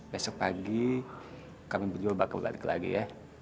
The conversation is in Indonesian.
besok pagi kami menjual bakal balik lagi ya